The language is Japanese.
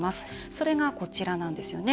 それが、こちらなんですよね。